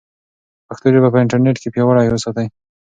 پښتو ژبه په انټرنیټ کې پیاوړې وساتئ.